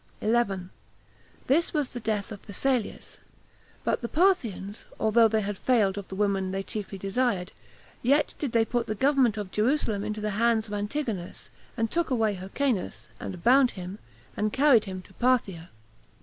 11. This was the death of Phasaelus; but the Parthians, although they had failed of the women they chiefly desired, yet did they put the government of Jerusalem into the hands of Antigonus, and took away Hyrcanus, and bound him, and carried him to Parthia.